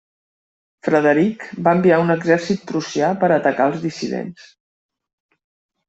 Frederic va enviar un exèrcit prussià per atacar els dissidents.